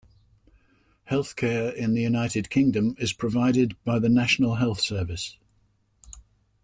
Healthcare in the United Kingdom is provided by the National Health Service